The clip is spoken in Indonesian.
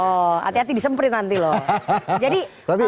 oh hati hati disemprit nanti loh